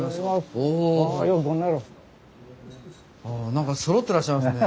あ何かそろってらっしゃいますね。